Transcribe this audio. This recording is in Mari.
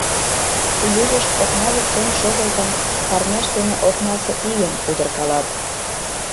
Южышт окна воктен шогылтын, парняшт дене окнасе ийым удыркалат.